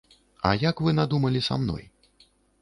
А як вы надумалі са мной?